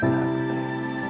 amalanku untuk ilham tawari